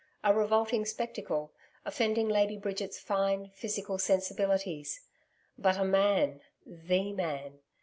A revolting spectacle, offending Lady Bridget's fine, physical sensibilities, but a MAN THE Man.